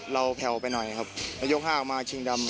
เราแผลวิเอาไปหน่อยยกห้าออกมาชิงดำ